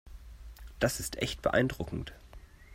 Das ist echt beeindruckend.